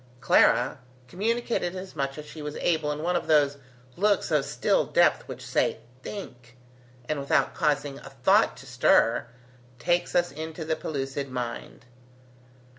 Clara, communicated as much as she was able in one of those looks of still depth which say, Think! and without causing a thought to stir, takes us into the pellucid mind.